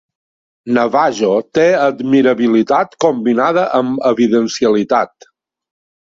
Navajo té admirabilitat combinada amb evidencialitat.